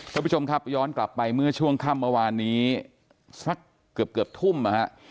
คุณผู้ชมครับย้อนกลับไปเมื่อช่วงค่ำเมื่อวานนี้สักเกือบเกือบทุ่มนะฮะ